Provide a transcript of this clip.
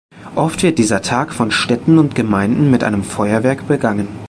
Oft wird dieser Tag von Städten und Gemeinden mit einem Feuerwerk begangen.